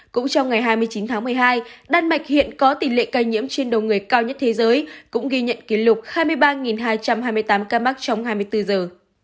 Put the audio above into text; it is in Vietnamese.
cũng trong ngày hai mươi chín tháng một mươi hai đan mạch hiện có tỷ lệ ca nhiễm trên đầu người cao nhất thế giới cũng ghi nhận kỷ lục hai mươi ba hai trăm hai mươi tám ca mắc trong hai mươi bốn giờ